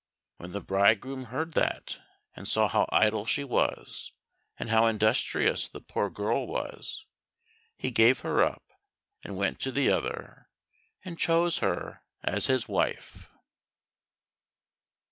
When the bridegroom heard that, and saw how idle she was, and how industrious the poor girl was, he gave her up and went to the other, and chose her as his wife.